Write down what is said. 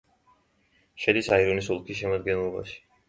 შედის აირონის ოლქის შემადგენლობაში.